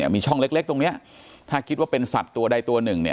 มีช่องเล็กตรงนี้ถ้าคิดว่าเป็นสัตว์ตัวใดตัวหนึ่ง